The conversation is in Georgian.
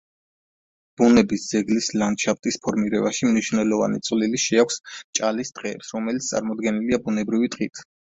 ბუნების ძეგლის ლანდშაფტის ფორმირებაში მნიშვნელოვანი წვლილი შეაქვს ჭალის ტყეებს, რომელიც წარმოდგენლია ბუნებრივი ტყით.